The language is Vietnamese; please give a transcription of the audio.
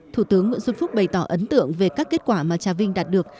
thủ tướng nguyễn xuân phúc bày tỏ ấn tượng về các kết quả mà trà vinh đạt được